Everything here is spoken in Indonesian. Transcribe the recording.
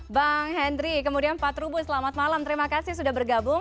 bang henry kemudian pak trubus selamat malam terima kasih sudah bergabung